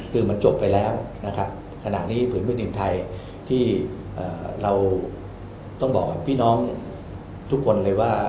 คือมันจบไปแล้วนะครับขณะนี้ผืนพื้นดินไทยที่เราต้องบอกกับพี่น้องทุกคนเลยว่า